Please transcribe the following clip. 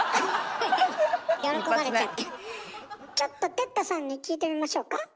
ちょっと哲太さんに聞いてみましょうか？